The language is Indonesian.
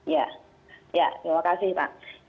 ya ya terima kasih pak